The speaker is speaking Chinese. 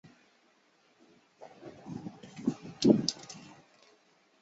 茨韦尔法克兴是奥地利下奥地利州维也纳城郊县的一个市镇。